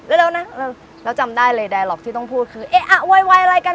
เร็วเร็วน่ะแล้วแล้วจำได้เลยที่ต้องพูดคือเอ๊ะอ่ะวัยวัยอะไรกัน